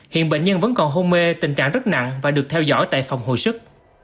hiện bệnh nhân vẫn còn hôn mê tình trạng rất nặng và được theo dõi tại phòng hồi sức